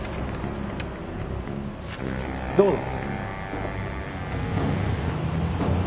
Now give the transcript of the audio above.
どうぞ。